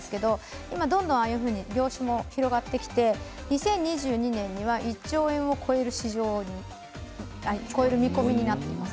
今はどんどん業種も広がってきて２０２２年には１兆円を超える見込みになっています。